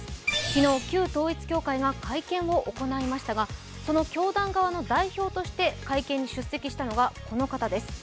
昨日、旧統一教会が会見を行いましたがその教団側の代表として会見に出席したのがこちらの方です。